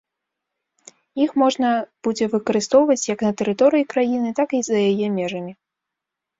Іх можна будзе выкарыстоўваць як на тэрыторыі краіны, так і за яе межамі.